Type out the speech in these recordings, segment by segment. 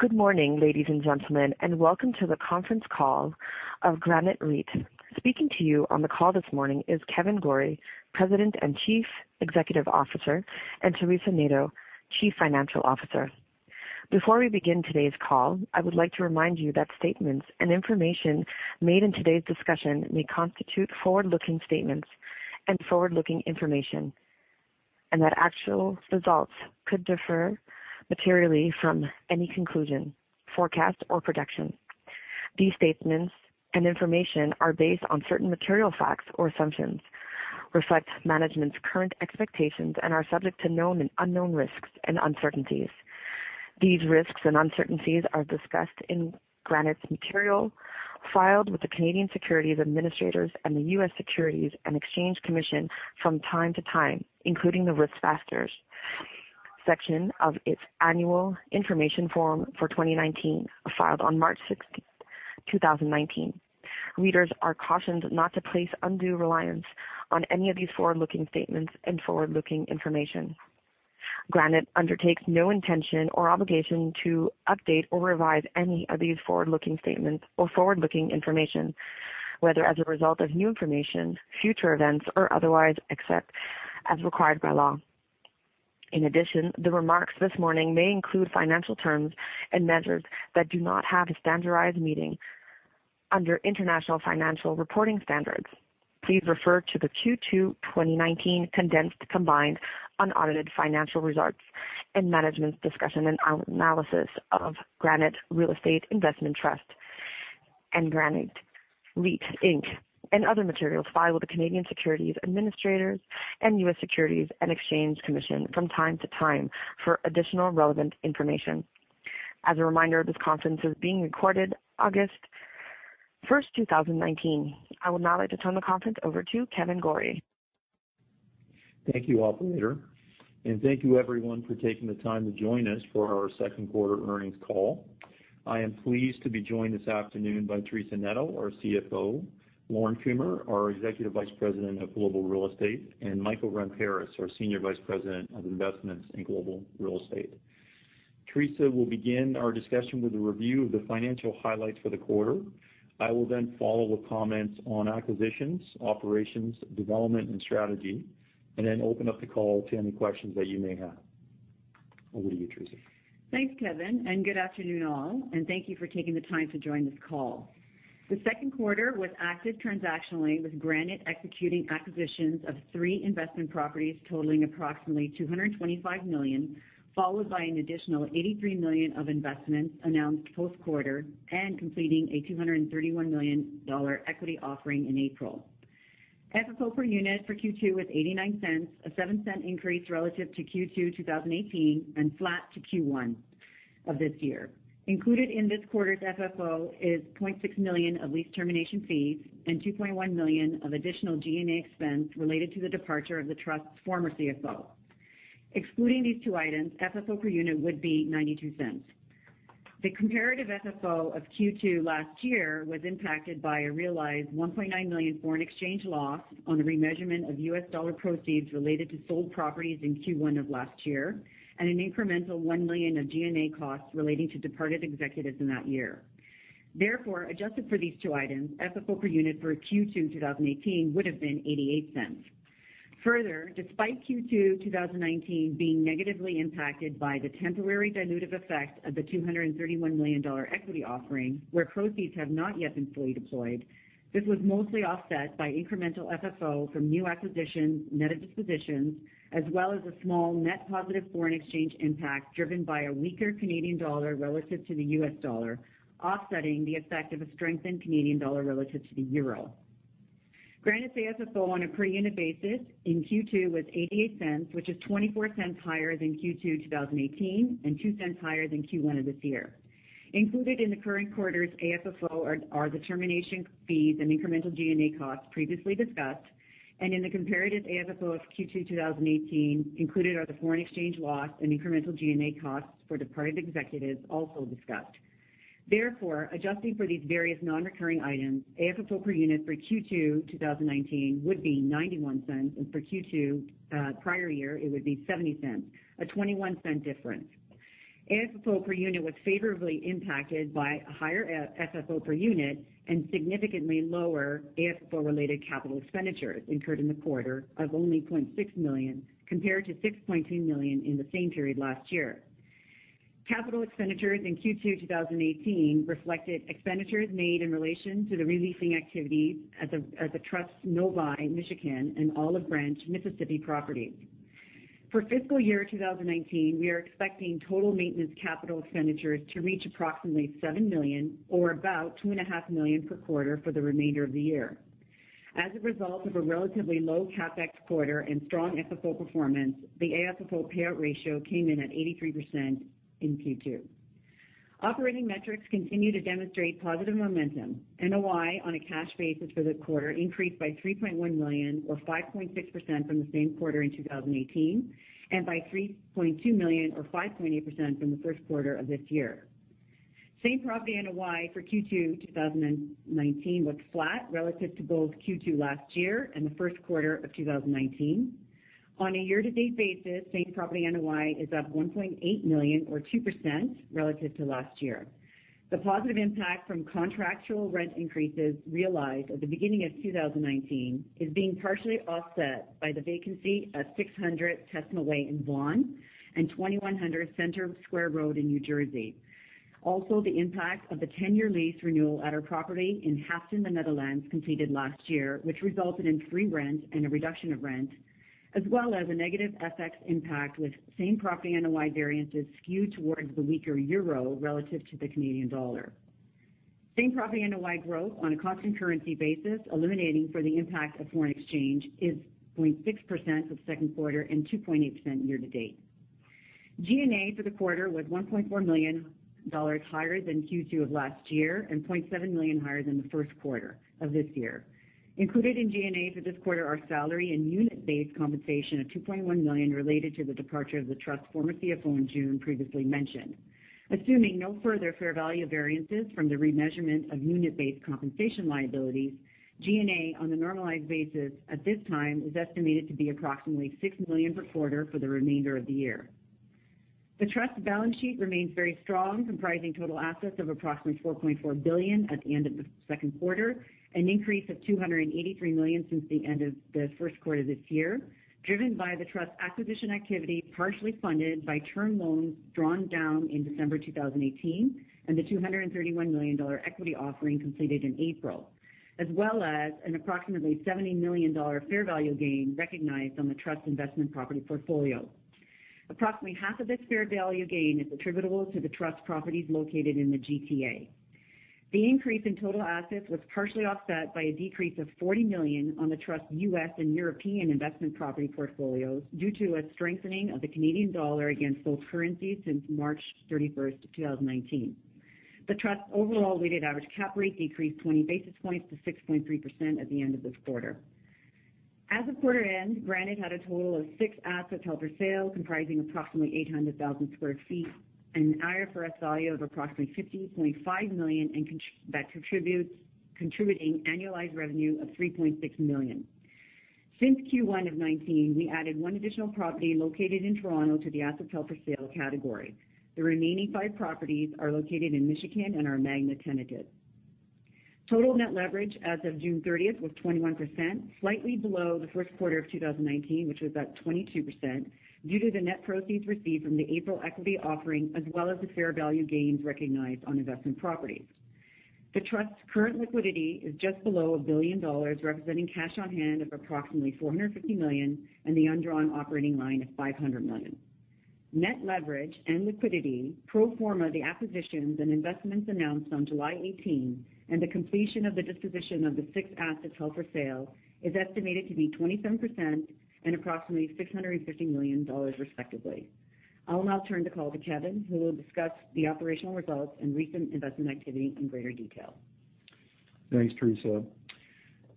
Good morning, ladies and gentlemen, and welcome to the conference call of Granite REIT. Speaking to you on the call this morning is Kevan Gorrie, President and Chief Executive Officer, and Teresa Neto, Chief Financial Officer. Before we begin today's call, I would like to remind you that statements and information made in today's discussion may constitute forward-looking statements and forward-looking information, and that actual results could differ materially from any conclusion, forecast, or prediction. These statements and information are based on certain material facts or assumptions, reflect management's current expectations, and are subject to known and unknown risks and uncertainties. These risks and uncertainties are discussed in Granite's material filed with the Canadian Securities Administrators and the U.S. Securities and Exchange Commission from time to time, including the Risk Factors section of its Annual Information Form for 2019, filed on March 16, 2019. Readers are cautioned not to place undue reliance on any of these forward-looking statements and forward-looking information. Granite undertakes no intention or obligation to update or revise any of these forward-looking statements or forward-looking information, whether as a result of new information, future events, or otherwise, except as required by law. In addition, the remarks this morning may include financial terms and measures that do not have a standardized meaning under International Financial Reporting Standards. Please refer to the Q2 2019 condensed combined unaudited financial results and management's discussion and analysis of Granite Real Estate Investment Trust and Granite REIT Inc., and other materials filed with the Canadian Securities Administrators and U.S. Securities and Exchange Commission from time to time for additional relevant information. As a reminder, this conference is being recorded August 1st, 2019. I would now like to turn the conference over to Kevan Gorrie. Thank you, operator, and thank you, everyone, for taking the time to join us for our second quarter earnings call. I am pleased to be joined this afternoon by Teresa Neto, our CFO, Lorne Kumer, our Executive Vice President of Global Real Estate, and Michael Ramparas, our Senior Vice President of Investments in Global Real Estate. Teresa will begin our discussion with a review of the financial highlights for the quarter. I will then follow with comments on acquisitions, operations, development, and strategy, and then open up the call to any questions that you may have. Over to you, Teresa. Thanks, Kevan, good afternoon all, and thank you for taking the time to join this call. The second quarter was active transactionally, with Granite executing acquisitions of three investment properties totaling approximately 225 million, followed by an additional 83 million of investments announced post-quarter and completing a 231 million dollar equity offering in April. FFO per unit for Q2 was 0.89, a 0.07 increase relative to Q2 2018, and flat to Q1 of this year. Included in this quarter's FFO is 0.6 million of lease termination fees and 2.1 million of additional G&A expense related to the departure of the trust's former CFO. Excluding these two items, FFO per unit would be 0.92. The comparative FFO of Q2 last year was impacted by a realized $1.9 million foreign exchange loss on the remeasurement of US dollar proceeds related to sold properties in Q1 of last year, and an incremental 1 million of G&A costs relating to departed executives in that year. Adjusted for these two items, FFO per unit for Q2 2018 would've been 0.88. Despite Q2 2019 being negatively impacted by the temporary dilutive effect of the 231 million dollar equity offering, where proceeds have not yet been fully deployed, this was mostly offset by incremental FFO from new acquisitions net of dispositions, as well as a small net positive foreign exchange impact driven by a weaker Canadian dollar relative to the US dollar, offsetting the effect of a strengthened Canadian dollar relative to the euro. Granite's AFFO on a per unit basis in Q2 was 0.88, which is 0.24 higher than Q2 2018 and 0.02 higher than Q1 of this year. Included in the current quarter's AFFO are the termination fees and incremental G&A costs previously discussed, and in the comparative AFFO of Q2 2018, included are the foreign exchange loss and incremental G&A costs for departed executives also discussed. Adjusting for these various non-recurring items, AFFO per unit for Q2 2019 would be 0.91, and for Q2 prior year it would be 0.70, a 0.21 difference. AFFO per unit was favorably impacted by a higher FFO per unit and significantly lower AFFO-related CapEx incurred in the quarter of only 0.6 million, compared to 6.2 million in the same period last year. Capital expenditures in Q2 2018 reflected expenditures made in relation to the re-leasing activities at the trust's Novi, Michigan, and Olive Branch, Mississippi properties. For fiscal year 2019, we are expecting total maintenance capital expenditures to reach approximately 7 million or about 2.5 million per quarter for the remainder of the year. As a result of a relatively low CapEx quarter and strong FFO performance, the AFFO payout ratio came in at 83% in Q2. Operating metrics continue to demonstrate positive momentum. NOI on a cash basis for the quarter increased by 3.1 million or 5.6% from the same quarter in 2018, and by 3.2 million or 5.8% from the first quarter of this year. Same property NOI for Q2 2019 was flat relative to both Q2 last year and the first quarter of 2019. On a year-to-date basis, same property NOI is up 1.8 million or 2% relative to last year. The positive impact from contractual rent increases realized at the beginning of 2019 is being partially offset by the vacancy at 600 Tesma Way in Vaughan and 2100 Center Square Road in New Jersey. The impact of the 10-year lease renewal at our property in Houten, the Netherlands, completed last year, which resulted in free rent and a reduction of rent, as well as a negative FX impact with same property NOI variances skewed towards the weaker euro relative to the Canadian dollar. Same property NOI growth on a constant currency basis, eliminating for the impact of foreign exchange, is 0.6% for the second quarter and 2.8% year-to-date. G&A for the quarter was 1.4 million dollars higher than Q2 of last year and 0.7 million higher than the first quarter of this year. Included in G&A for this quarter are salary and unit-based compensation of 2.1 million related to the departure of the Trust's former CFO in June, previously mentioned. Assuming no further fair value variances from the remeasurement of unit-based compensation liabilities, G&A on a normalized basis at this time is estimated to be approximately 6 million per quarter for the remainder of the year. The Trust's balance sheet remains very strong, comprising total assets of approximately 4.4 billion at the end of the second quarter, an increase of 283 million since the end of the first quarter this year, driven by the Trust's acquisition activity, partially funded by term loans drawn down in December 2018 and the 231 million dollar equity offering completed in April, as well as an approximately 70 million dollar fair value gain recognized on the Trust's investment property portfolio. Approximately half of this fair value gain is attributable to the Trust's properties located in the GTA. The increase in total assets was partially offset by a decrease of 40 million on the Trust's U.S. and European investment property portfolios due to a strengthening of the Canadian dollar against those currencies since March 31, 2019. The Trust's overall weighted average cap rate decreased 20 basis points to 6.3% at the end of this quarter. As of quarter end, Granite had a total of six assets held for sale, comprising approximately 800,000 sq ft and an IFRS value of approximately 50.5 million, contributing annualized revenue of 3.6 million. Since Q1 of 2019, we added one additional property located in Toronto to the assets held for sale category. The remaining five properties are located in Michigan and are Magna tenanted. Total net leverage as of June 30th was 21%, slightly below the first quarter of 2019, which was at 22%, due to the net proceeds received from the April equity offering as well as the fair value gains recognized on investment properties. The Trust's current liquidity is just below 1 billion dollars, representing cash on hand of approximately 450 million and the undrawn operating line of 500 million. Net leverage and liquidity, pro forma the acquisitions and investments announced on July 18 and the completion of the disposition of the six assets held for sale, is estimated to be 27% and approximately 650 million dollars, respectively. I will now turn the call to Kevan, who will discuss the operational results and recent investment activity in greater detail. Thanks, Teresa.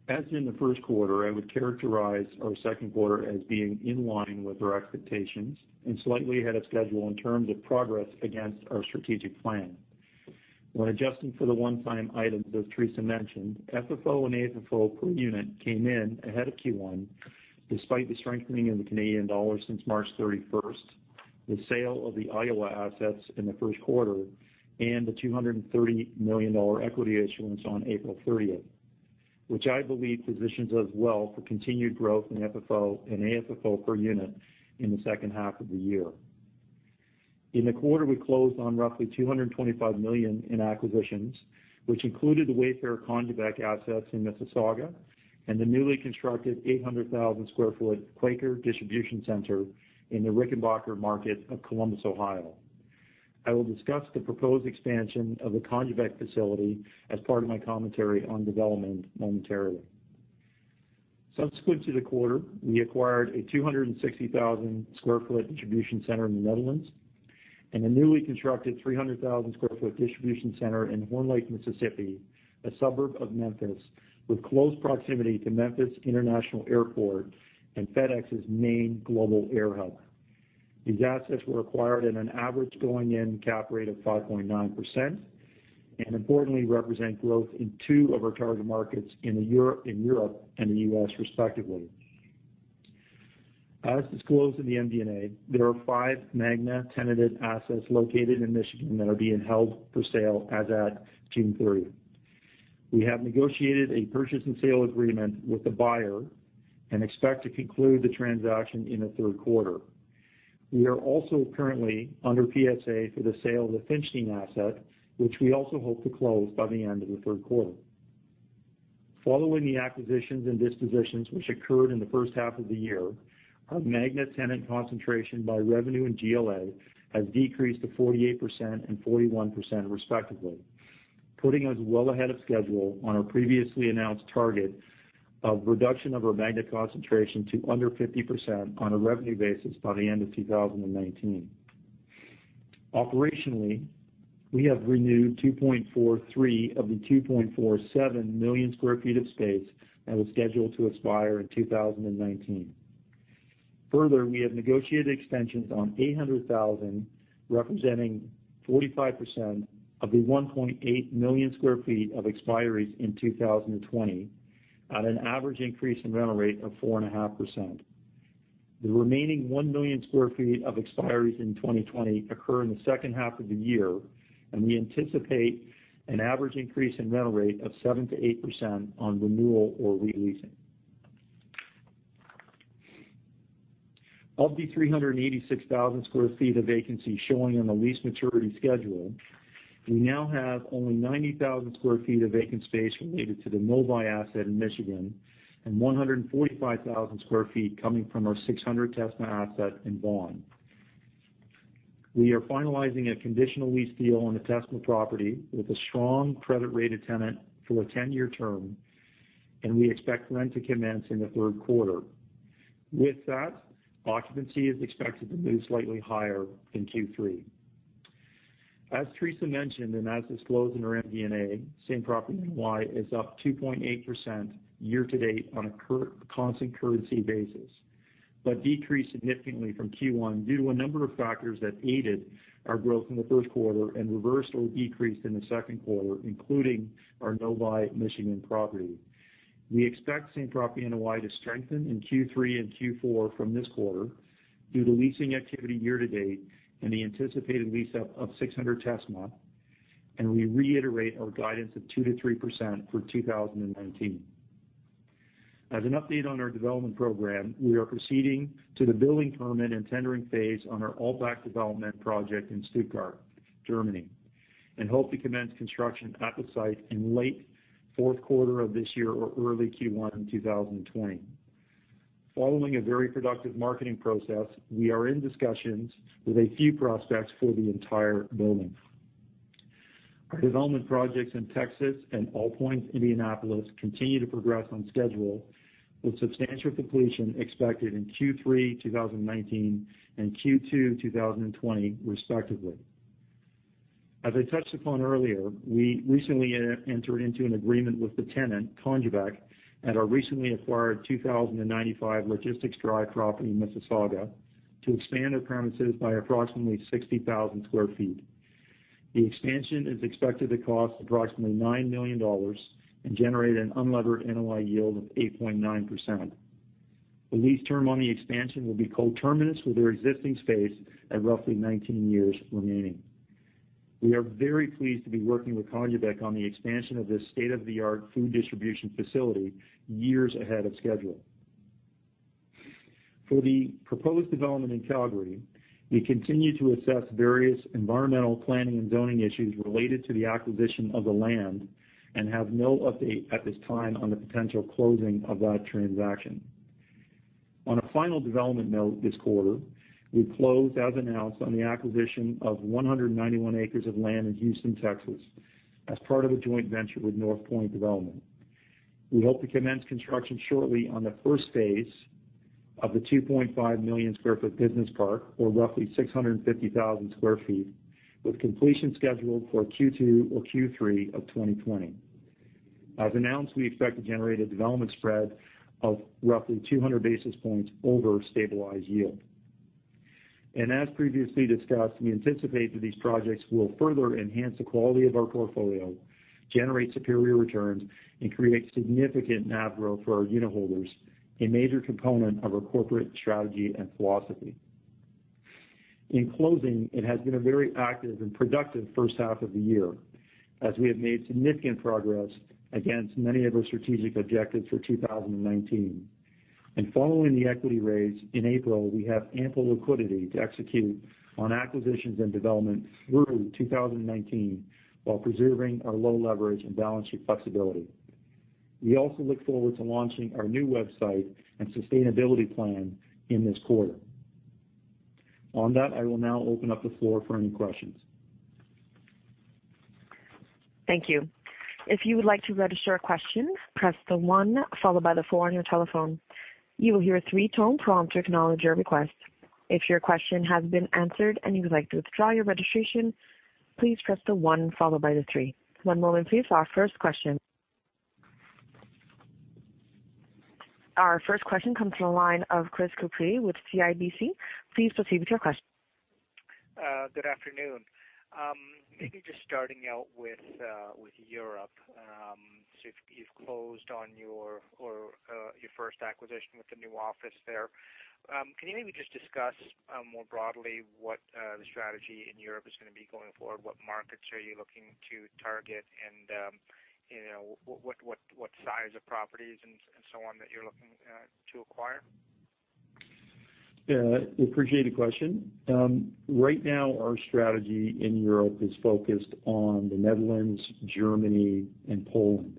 As in the first quarter, I would characterize our second quarter as being in line with our expectations and slightly ahead of schedule in terms of progress against our strategic plan. When adjusting for the one-time items that Teresa mentioned, FFO and AFFO per unit came in ahead of Q1, despite the strengthening of the Canadian dollar since March 31st, the sale of the Iowa assets in the first quarter, and the 230 million dollar equity issuance on April 30th, which I believe positions us well for continued growth in FFO and AFFO per unit in the second half of the year. In the quarter, we closed on roughly 225 million in acquisitions, which included the Wayfair/Congebec assets in Mississauga and the newly constructed 800,000-square-foot Quaker distribution center in the Rickenbacker market of Columbus, Ohio. I will discuss the proposed expansion of the Congebec facility as part of my commentary on development momentarily. Subsequent to the quarter, we acquired a 260,000-square-foot distribution center in the Netherlands and a newly constructed 300,000-square-foot distribution center in Horn Lake, Mississippi, a suburb of Memphis, with close proximity to Memphis International Airport and FedEx's main global air hub. These assets were acquired at an average going-in cap rate of 5.9% and importantly represent growth in two of our target markets in Europe and the U.S. respectively. As disclosed in the MD&A, there are five Magna tenanted assets located in Michigan that are being held for sale as at June 30th. We have negotiated a purchase and sale agreement with the buyer and expect to conclude the transaction in the third quarter. We are also currently under PSA for the sale of the Finchley asset, which we also hope to close by the end of the third quarter. Following the acquisitions and dispositions which occurred in the first half of the year, our Magna tenant concentration by revenue and GLA has decreased to 48% and 41% respectively, putting us well ahead of schedule on our previously announced target of reduction of our Magna concentration to under 50% on a revenue basis by the end of 2019. Operationally, we have renewed 2.43 of the 2.47 million square feet of space that was scheduled to expire in 2019. Further, we have negotiated extensions on 800,000, representing 45% of the 1.8 million square feet of expiries in 2020 on an average increase in rental rate of 4.5%. The remaining 1 million sq ft of expiries in 2020 occur in the second half of the year. We anticipate an average increase in rental rate of 7%-8% on renewal or re-leasing. Of the 386,000 sq ft of vacancy showing on the lease maturity schedule, we now have only 90,000 sq ft of vacant space related to the Novi asset in Michigan and 145,000 sq ft coming from our 600 Tesma asset in Vaughan. We are finalizing a conditional lease deal on the Tesma property with a strong credit-rated tenant for a 10-year term. We expect rent to commence in the third quarter. With that, occupancy is expected to move slightly higher in Q3. As Teresa mentioned, and as disclosed in our MD&A, same property NOI is up 2.8% year to date on a constant currency basis, but decreased significantly from Q1 due to a number of factors that aided our growth in the first quarter and reversed or decreased in the second quarter, including our Novi, Michigan property. We expect same property NOI to strengthen in Q3 and Q4 from this quarter due to leasing activity year to date and the anticipated lease up of 600 Tesma, and we reiterate our guidance of 2%-3% for 2019. As an update on our development program, we are proceeding to the building permit and tendering phase on our Altbach development project in Stuttgart, Germany, and hope to commence construction at the site in late fourth quarter of this year or early Q1 in 2020. Following a very productive marketing process, we are in discussions with a few prospects for the entire building. Our development projects in Texas and AllPoints Indianapolis continue to progress on schedule with substantial completion expected in Q3 2019 and Q2 2020, respectively. As I touched upon earlier, we recently entered into an agreement with the tenant, Congebec, at our recently acquired 2095 Logistics Drive property in Mississauga to expand their premises by approximately 60,000 sq ft. The expansion is expected to cost approximately 9 million dollars and generate an unlevered NOI yield of 8.9%. The lease term on the expansion will be co-terminus with their existing space at roughly 19 years remaining. We are very pleased to be working with Congebec on the expansion of this state-of-the-art food distribution facility years ahead of schedule. For the proposed development in Calgary, we continue to assess various environmental planning and zoning issues related to the acquisition of the land and have no update at this time on the potential closing of that transaction. On a final development note this quarter, we closed as announced on the acquisition of 191 acres of land in Houston, Texas, as part of a joint venture with NorthPoint Development. We hope to commence construction shortly on the first phase of the 2.5-million-square-foot business park, or roughly 650,000 square feet, with completion scheduled for Q2 or Q3 of 2020. As announced, we expect to generate a development spread of roughly 200 basis points over stabilized yield. As previously discussed, we anticipate that these projects will further enhance the quality of our portfolio, generate superior returns, and create significant NAV growth for our unitholders, a major component of our corporate strategy and philosophy. In closing, it has been a very active and productive first half of the year as we have made significant progress against many of our strategic objectives for 2019. Following the equity raise in April, we have ample liquidity to execute on acquisitions and development through 2019 while preserving our low leverage and balance sheet flexibility. We also look forward to launching our new website and sustainability plan in this quarter. On that, I will now open up the floor for any questions. Thank you. If you would like to register a question, press the one followed by the four on your telephone. You will hear a three-tone prompt to acknowledge your request. If your question has been answered and you would like to withdraw your registration, please press the one followed by the three. One moment please for our first question. Our first question comes from the line of Chris Couprie with CIBC. Please proceed with your question. Good afternoon. Maybe just starting out with Europe. You've closed on your first acquisition with the new office there. Can you maybe just discuss more broadly what the strategy in Europe is going to be going forward? What markets are you looking to target, and what size of properties and so on that you're looking to acquire? Yeah. I appreciate the question. Right now, our strategy in Europe is focused on the Netherlands, Germany, and Poland.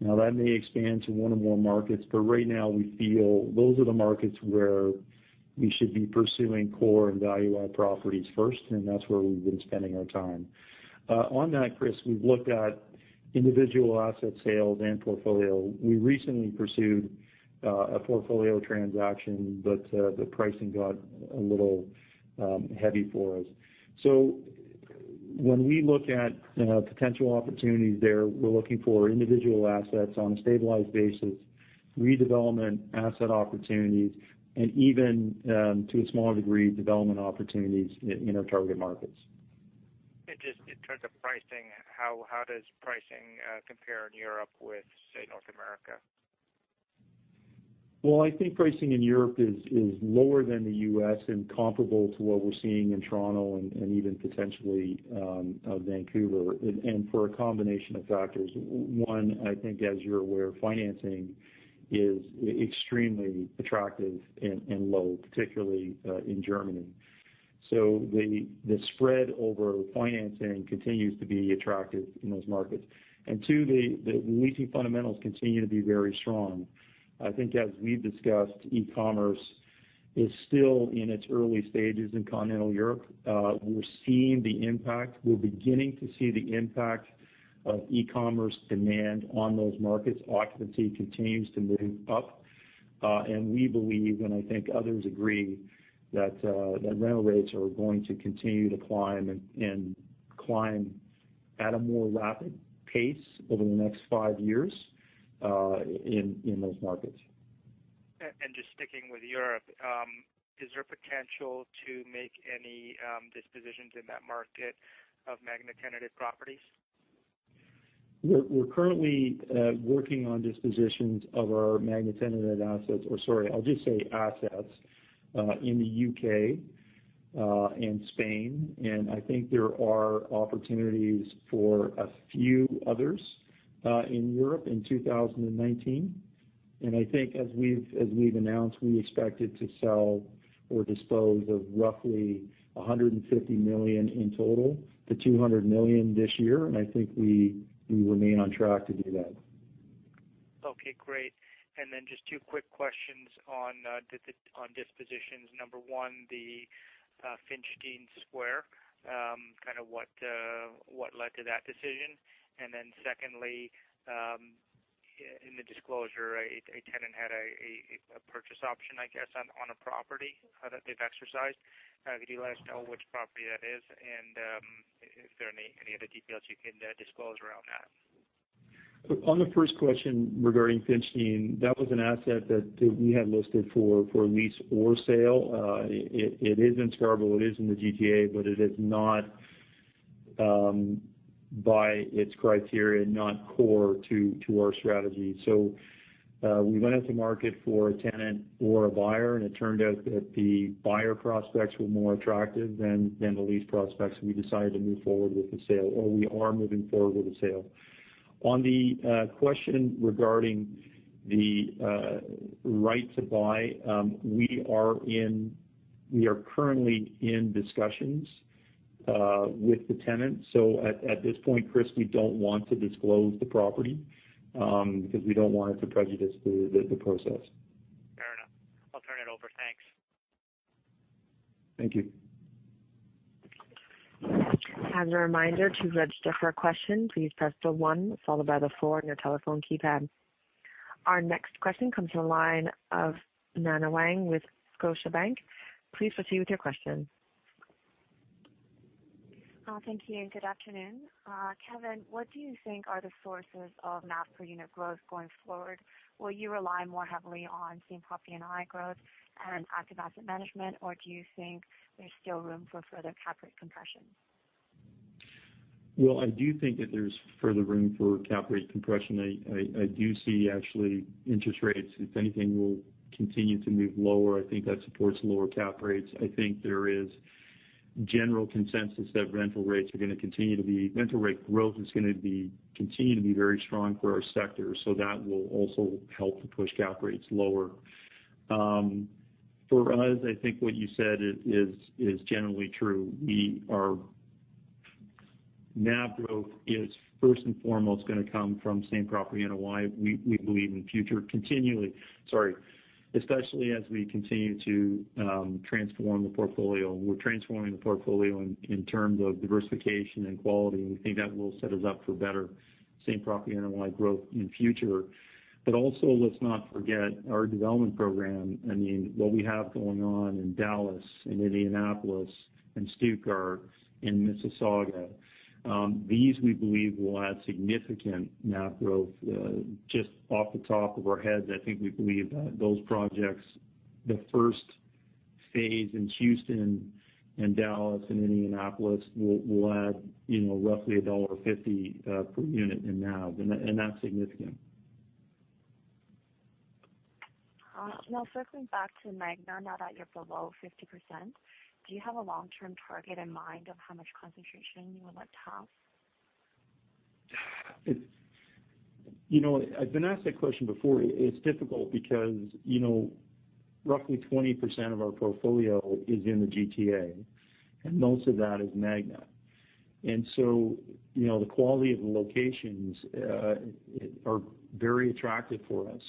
That may expand to one or more markets, but right now we feel those are the markets where we should be pursuing core and value-add properties first, and that's where we've been spending our time. On that, Chris, we've looked at individual asset sales and portfolio. We recently pursued a portfolio transaction, the pricing got a little heavy for us. When we look at potential opportunities there, we're looking for individual assets on a stabilized basis, redevelopment asset opportunities, and even, to a smaller degree, development opportunities in our target markets. Just in terms of pricing, how does pricing compare in Europe with, say, North America? I think pricing in Europe is lower than the U.S. and comparable to what we're seeing in Toronto and even potentially Vancouver. For a combination of factors. One, I think as you're aware, financing is extremely attractive and low, particularly in Germany. The spread over financing continues to be attractive in those markets. Two, the leasing fundamentals continue to be very strong. I think as we've discussed, e-commerce is still in its early stages in continental Europe. We're seeing the impact. We're beginning to see the impact of e-commerce demand on those markets. Occupancy continues to move up. We believe, and I think others agree, that rental rates are going to continue to climb and climb at a more rapid pace over the next five years in those markets. Just sticking with Europe, is there potential to make any dispositions in that market of Magna tenant properties? We're currently working on dispositions of our Magna tenant assets in the U.K. and Spain. I think there are opportunities for a few others in Europe in 2019. I think as we've announced, we expected to sell or dispose of roughly 150 million-200 million this year. I think we remain on track to do that. Okay, great. Just two quick questions on dispositions. Number one, the Finchdene Square, what led to that decision? Secondly, in the disclosure, a tenant had a purchase option, I guess, on a property that they've exercised. Could you let us know which property that is and if there are any other details you can disclose around that? On the first question regarding Finchdene, that was an asset that we had listed for lease or sale. It is in Scarborough, it is in the GTA, it is not by its criteria, not core to our strategy. We went out to market for a tenant or a buyer, it turned out that the buyer prospects were more attractive than the lease prospects. We decided to move forward with the sale, we are moving forward with the sale. On the question regarding the right to buy, we are currently in discussions with the tenant. At this point, Chris, we don't want to disclose the property, because we don't want it to prejudice the process. Fair enough. I'll turn it over. Thanks. Thank you. As a reminder, to register for a question, please press the one followed by the four on your telephone keypad. Our next question comes from the line of Nana Wang with Scotiabank. Please proceed with your question. Thank you. Good afternoon. Kevan, what do you think are the sources of NAV per unit growth going forward? Will you rely more heavily on same property and NOI growth and active asset management, or do you think there's still room for further cap rate compression? Well, I do think that there's further room for cap rate compression. I do see actually interest rates, if anything, will continue to move lower. I think that supports lower cap rates. I think there is general consensus that Rental rate growth is going to continue to be very strong for our sector. That will also help to push cap rates lower. For us, I think what you said is generally true. NAV growth is first and foremost going to come from same property NOI, we believe in the future continually. Sorry, especially as we continue to transform the portfolio. We're transforming the portfolio in terms of diversification and quality. We think that will set us up for better same property NOI growth in future. Also, let's not forget our development program. What we have going on in Dallas, in Indianapolis, in Stuttgart, in Mississauga. These, we believe, will add significant NAV growth. Just off the top of our heads, I think we believe that those projects, the first phase in Houston and Dallas and Indianapolis will add roughly dollar 1.50 per unit in NAV, and that's significant. Now circling back to Magna, now that you're below 50%, do you have a long-term target in mind of how much concentration you would like to have? I've been asked that question before. It's difficult because roughly 20% of our portfolio is in the GTA. Most of that is Magna. The quality of the locations are very attractive for us.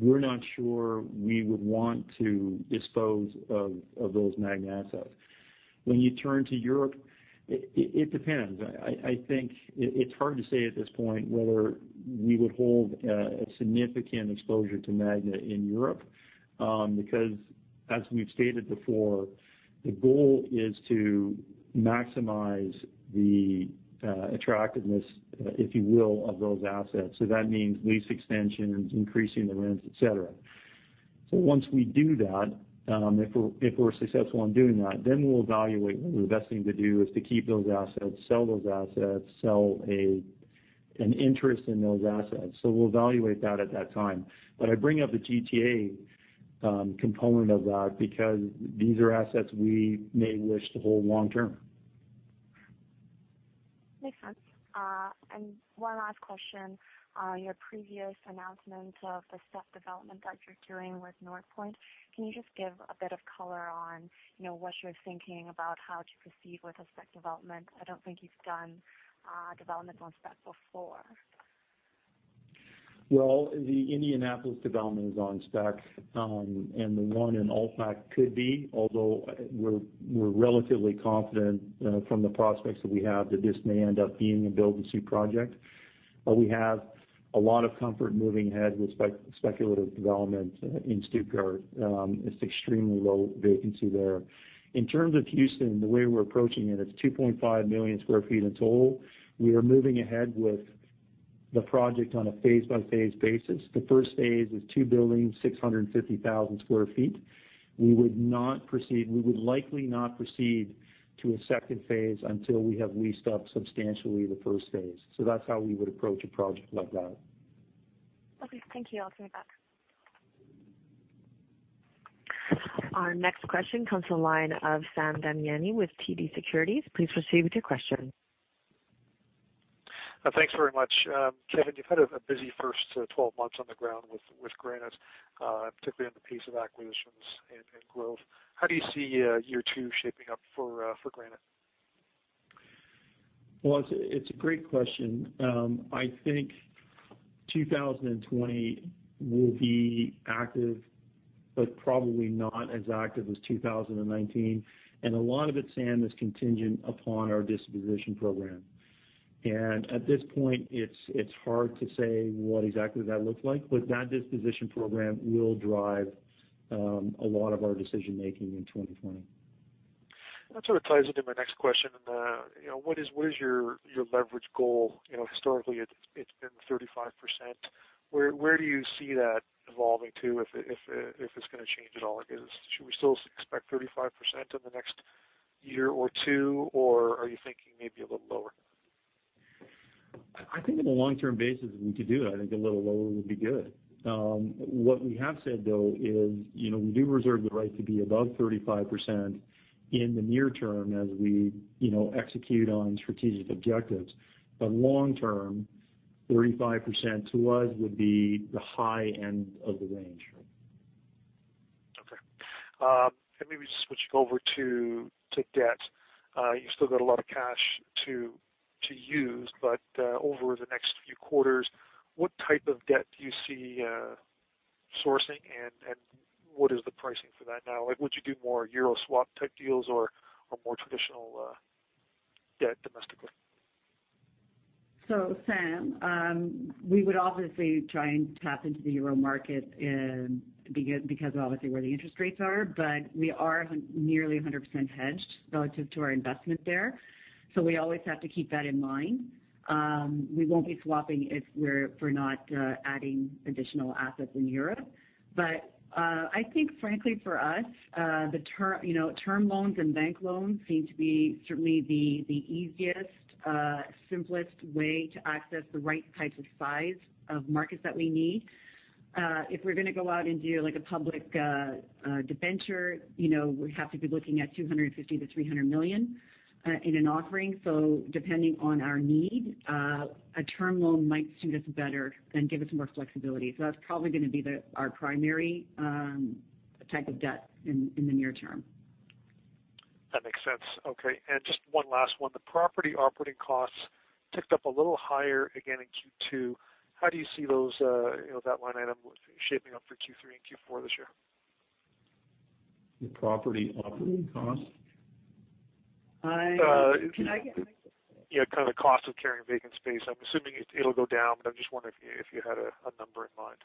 We're not sure we would want to dispose of those Magna assets. When you turn to Europe, it depends. I think it's hard to say at this point whether we would hold a significant exposure to Magna in Europe. As we've stated before, the goal is to maximize the attractiveness, if you will, of those assets. That means lease extensions, increasing the rents, et cetera. Once we do that, if we're successful in doing that, then we'll evaluate whether the best thing to do is to keep those assets, sell those assets, sell an interest in those assets. We'll evaluate that at that time. I bring up the GTA component of that because these are assets we may wish to hold long-term. Makes sense. One last question. On your previous announcement of the spec development that you're doing with NorthPoint, can you just give a bit of color on what you're thinking about how to proceed with the spec development? I don't think you've done development on spec before. Well, the Indianapolis development is on spec. The one in Altbach could be, although we're relatively confident from the prospects that we have that this may end up being a build-to-suit project, but we have a lot of comfort moving ahead with speculative development in Stuttgart. It's extremely low vacancy there. In terms of Houston, the way we're approaching it's 2.5 million square feet in total. We are moving ahead with the project on a phase-by-phase basis. The first phase is two buildings, 650,000 square feet. We would likely not proceed to a second phase until we have leased up substantially the first phase. That's how we would approach a project like that. Okay, thank you. I'll turn it back. Our next question comes to the line of Sam Damiani with TD Securities. Please proceed with your question. Thanks very much. Kevan, you've had a busy first 12 months on the ground with Granite, particularly on the pace of acquisitions and growth. How do you see year two shaping up for Granite? Well, it's a great question. I think 2020 will be active, but probably not as active as 2019. A lot of it, Sam, is contingent upon our disposition program. At this point, it's hard to say what exactly that looks like. That disposition program will drive a lot of our decision-making in 2020. That sort of ties into my next question. What is your leverage goal? Historically, it's been 35%. Where do you see that evolving to, if it's going to change at all? Should we still expect 35% in the next year or two, or are you thinking maybe a little lower? I think on a long-term basis, we could do it. I think a little lower would be good. What we have said, though, is we do reserve the right to be above 35% in the near term as we execute on strategic objectives. Long term, 35% to us would be the high end of the range. Okay. Maybe just switching over to debt. You've still got a lot of cash to use, but over the next few quarters, what type of debt do you see sourcing, and what is the pricing for that now? Would you do more Euro swap type deals or more traditional debt domestically? Sam, we would obviously try and tap into the EUR market because, obviously, where the interest rates are, but we are nearly 100% hedged relative to our investment there. We always have to keep that in mind. We won't be swapping if we're not adding additional assets in Europe. I think frankly for us, term loans and bank loans seem to be certainly the easiest, simplest way to access the right types of size of markets that we need. If we're going to go out and do a public debenture, we have to be looking at 250 million-300 million in an offering. Depending on our need, a term loan might suit us better and give us more flexibility. That's probably going to be our primary type of debt in the near term. That makes sense. Okay, just one last one. The property operating costs ticked up a little higher again in Q2. How do you see that line item shaping up for Q3 and Q4 this year? The property operating cost? Can I get- Yeah. Kind of the cost of carrying vacant space, I'm assuming it'll go down, but I'm just wondering if you had a number in mind.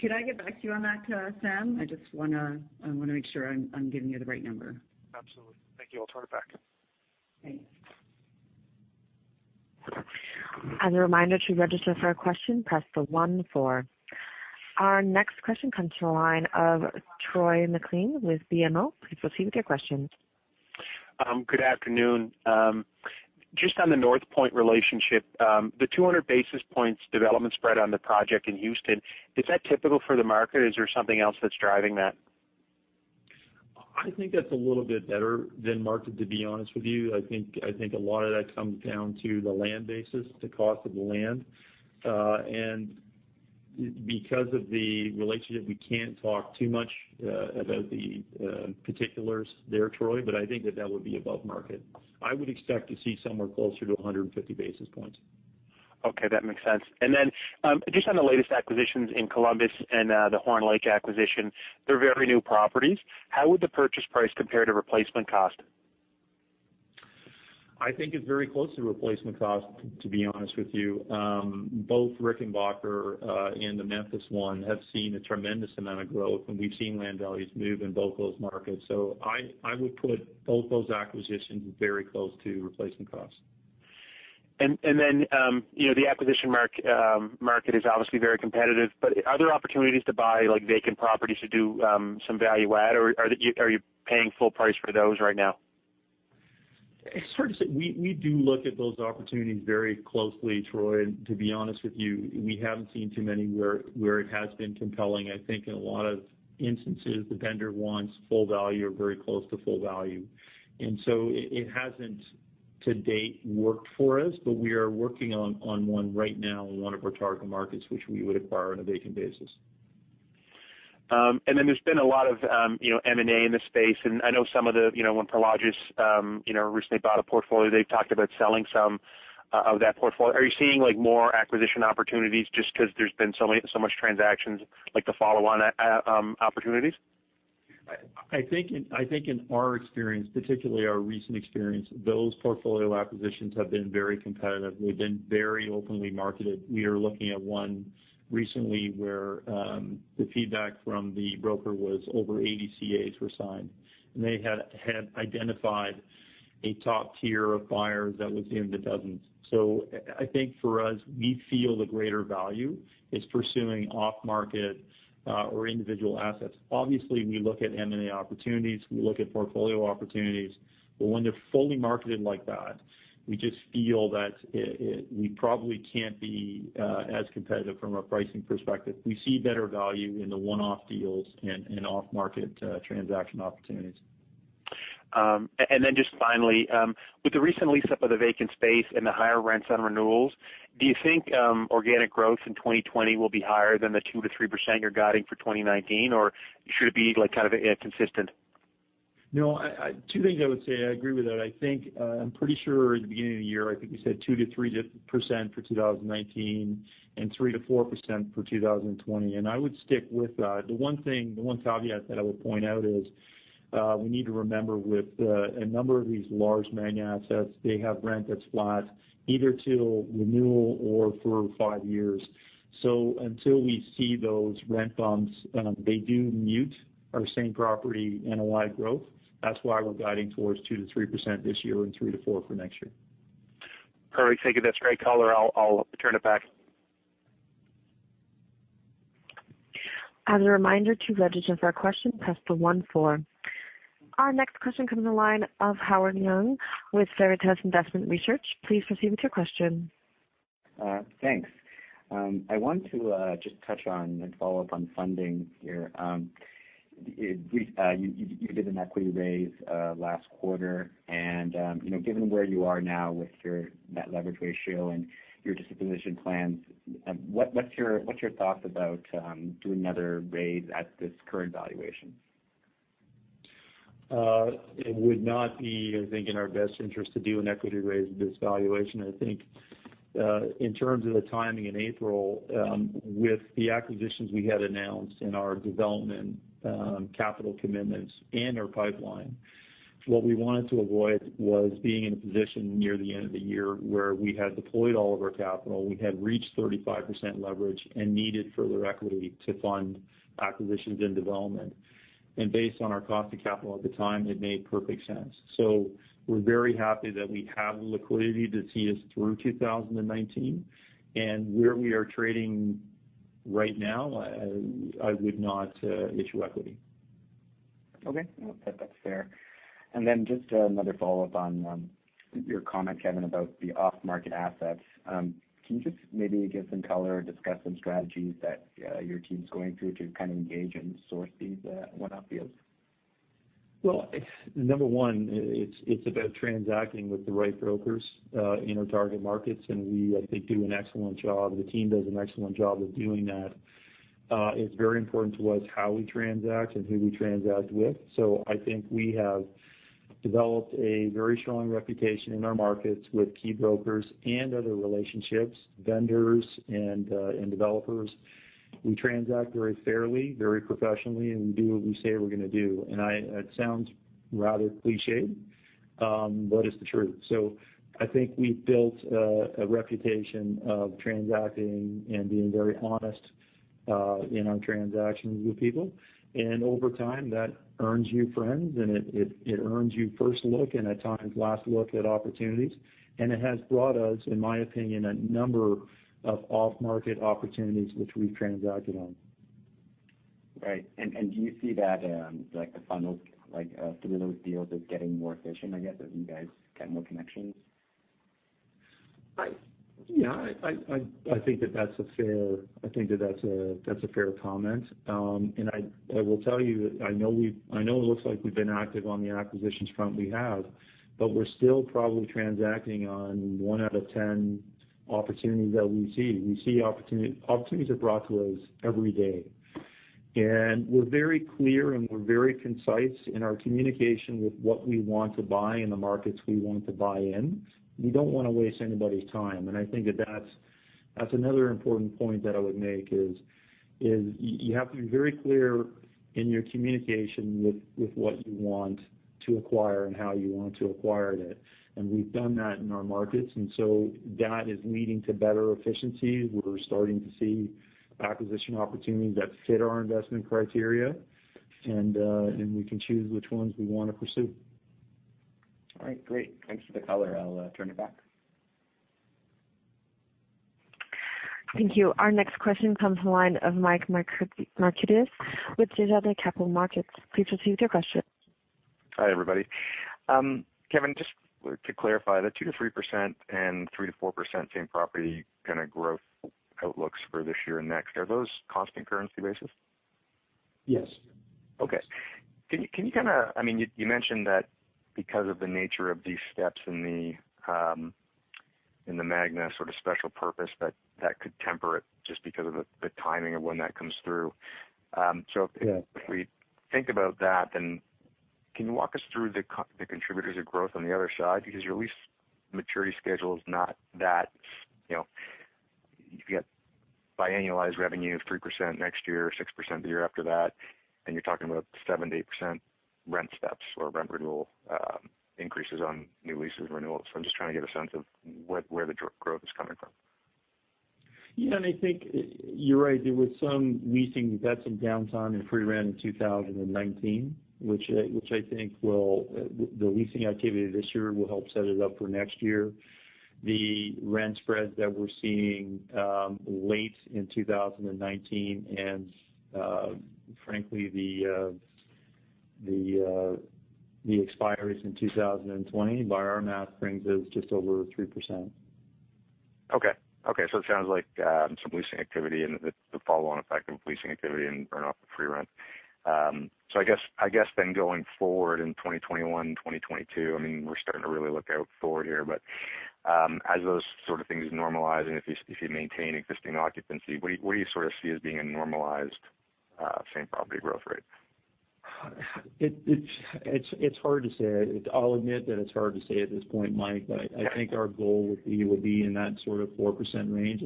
Could I get back to you on that, Sam? I just want to make sure I'm giving you the right number. Absolutely. Thank you. I'll turn it back. Thanks. As a reminder, to register for a question, press the 14. Our next question comes from the line of Troy MacLean with BMO. Please proceed with your question. Good afternoon. Just on the NorthPoint relationship, the 200 basis points development spread on the project in Houston, is that typical for the market? Is there something else that's driving that? I think that's a little bit better than market, to be honest with you. I think a lot of that comes down to the land basis, the cost of the land. Because of the relationship, we can't talk too much about the particulars there, Troy, but I think that that would be above market. I would expect to see somewhere closer to 150 basis points. Okay. That makes sense. Just on the latest acquisitions in Columbus and the Horn Lake acquisition, they are very new properties. How would the purchase price compare to replacement cost? I think it's very close to replacement cost, to be honest with you. Both Rickenbacker and the Memphis one have seen a tremendous amount of growth, and we've seen land values move in both those markets. I would put both those acquisitions very close to replacement costs. The acquisition market is obviously very competitive, but are there opportunities to buy vacant properties to do some value add, or are you paying full price for those right now? It's hard to say. We do look at those opportunities very closely, Troy. To be honest with you, we haven't seen too many where it has been compelling. I think in a lot of instances, the vendor wants full value or very close to full value. It hasn't to date worked for us, but we are working on one right now in one of our target markets, which we would acquire on a vacant basis. Then there's been a lot of M&A in this space. I know when Prologis recently bought a portfolio, they talked about selling some of that portfolio. Are you seeing more acquisition opportunities just because there's been so much transactions, like the follow-on opportunities? I think in our experience, particularly our recent experience, those portfolio acquisitions have been very competitive. They've been very openly marketed. We are looking at one recently where the feedback from the broker was over 80 CAs were signed, and they had identified a top tier of buyers that was in the dozens. I think for us, we feel the greater value is pursuing off-market or individual assets. Obviously, we look at M&A opportunities, we look at portfolio opportunities. But when they're fully marketed like that, we just feel that we probably can't be as competitive from a pricing perspective. We see better value in the one-off deals and off-market transaction opportunities. Just finally, with the recent lease-up of the vacant space and the higher rents on renewals, do you think organic growth in 2020 will be higher than the 2%-3% you're guiding for 2019? Should it be kind of consistent? No, two things I would say. I agree with that. I'm pretty sure at the beginning of the year, I think we said 2%-3% for 2019 and 3%-4% for 2020. I would stick with that. The one caveat that I would point out is, we need to remember with a number of these large Magna assets, they have rent that's flat either till renewal or for five years. Until we see those rent bumps, they do mute our same property NOI growth. That's why we're guiding towards 2%-3% this year and 3%-4% for next year. Perfect. Thank you. That's great color. I'll turn it back. As a reminder, to register for a question, press the one four. Our next question comes on the line of Howard Leung with Veritas Investment Research. Please proceed with your question. Thanks. I want to just touch on and follow up on funding here. You did an equity raise last quarter, and given where you are now with your net leverage ratio and your disposition plans, what's your thought about doing another raise at this current valuation? It would not be, I think, in our best interest to do an equity raise at this valuation. I think, in terms of the timing in April, with the acquisitions we had announced in our development, capital commitments and our pipeline, what we wanted to avoid was being in a position near the end of the year where we had deployed all of our capital, we had reached 35% leverage and needed further equity to fund acquisitions and development. Based on our cost of capital at the time, it made perfect sense. We're very happy that we have the liquidity to see us through 2019 and where we are trading right now, I would not issue equity. Okay. That's fair. Just another follow-up on your comment, Kevan, about the off-market assets. Can you just maybe give some color or discuss some strategies that your team's going through to kind of engage and source these one-off deals? Well, number 1, it's about transacting with the right brokers, in our target markets. We, I think, do an excellent job. The team does an excellent job of doing that. It's very important to us how we transact and who we transact with. I think we have developed a very strong reputation in our markets with key brokers and other relationships, vendors and developers. We transact very fairly, very professionally, and we do what we say we're going to do. It sounds rather clichéd, but it's the truth. I think we've built a reputation of transacting and being very honest in our transactions with people. Over time, that earns you friends and it earns you first look and at times last look at opportunities. It has brought us, in my opinion, a number of off-market opportunities which we've transacted on. Right. Do you see that, like the funnel, like through those deals is getting more efficient, I guess, as you guys get more connections? Yeah, I think that that's a fair comment. I will tell you, I know it looks like we've been active on the acquisitions front. We have, but we're still probably transacting on one out of 10 opportunities that we see. Opportunities are brought to us every day. We're very clear and we're very concise in our communication with what we want to buy and the markets we want to buy in. You don't want to waste anybody's time, and I think that's another important point that I would make is, you have to be very clear in your communication with what you want to acquire and how you want to acquire it. We've done that in our markets, and so that is leading to better efficiency. We're starting to see acquisition opportunities that fit our investment criteria, and then we can choose which ones we want to pursue. All right, great. Thanks for the color. I'll turn it back. Thank you. Our next question comes to the line of Mike Markidis with Desjardins Capital Markets. Please proceed with your question. Hi, everybody. Kevan, just to clarify, the 2%-3% and 3%-4% same property kind of growth outlooks for this year and next, are those constant currency basis? Yes. Okay. You mentioned that because of the nature of these steps in the Magna sort of special purpose, that that could temper it just because of the timing of when that comes through. Yeah. If we think about that, then can you walk us through the contributors of growth on the other side? You get biannualized revenue of 3% next year, 6% the year after that, and you're talking about 7% to 8% rent steps or rent renewal increases on new leases renewals. I'm just trying to get a sense of where the growth is coming from. Yeah. I think you're right. There was some leasing that's in downtime and free rent in 2019, which I think the leasing activity this year will help set it up for next year. The rent spreads that we're seeing late in 2019 and frankly, the expiries in 2020, by our math, brings us just over 3%. Okay. It sounds like some leasing activity and the follow-on effect of leasing activity and burn off the free rent. I guess then going forward in 2021, 2022, we're starting to really look out forward here, but as those sort of things normalize, and if you maintain existing occupancy, what do you sort of see as being a normalized same property growth rate? It's hard to say. I'll admit that it's hard to say at this point, Mike. I think our goal would be in that sort of 4% range.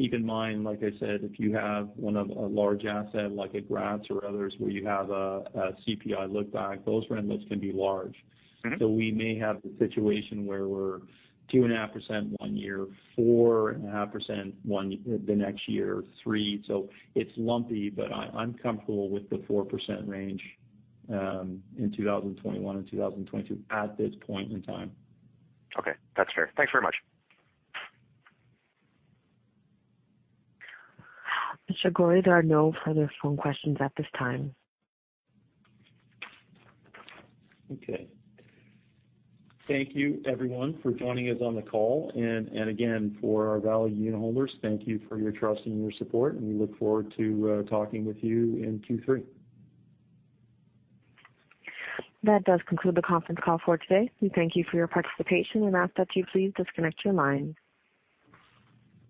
Keep in mind, like I said, if you have one of a large asset like at Graz or others where you have a CPI look back, those rent lifts can be large. Okay. We may have the situation where we're 2.5% one year, 4.5% the next year, three. It's lumpy, but I'm comfortable with the 4% range in 2021 and 2022 at this point in time. Okay, that's fair. Thanks very much. Mr. Gorrie, there are no further phone questions at this time. Okay. Thank you everyone for joining us on the call, and again for our valued unitholders, thank you for your trust and your support, and we look forward to talking with you in Q3. That does conclude the conference call for today. We thank you for your participation and ask that you please disconnect your lines.